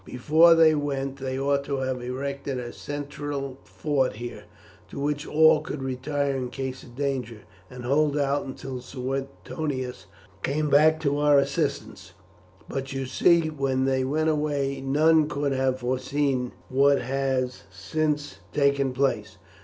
Before they went they ought to have erected a central fort here, to which all could retire in case of danger, and hold out until Suetonius came back to our assistance; but you see, when they went away none could have foreseen what has since taken place.